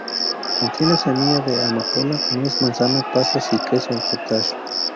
Contiene semilla de amapola, nuez, manzana, pasas y queso "cottage".